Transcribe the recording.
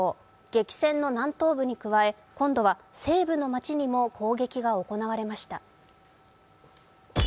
激戦の南東部に加え、今度は西部の街にも攻撃が行われました。